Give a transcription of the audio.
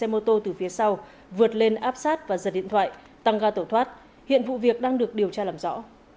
các đối tượng đang bị tạm giữ từ phía sau vượt lên áp sát và giật điện thoại tăng ga tổ thoát hiện vụ việc đang được điều tra làm rõ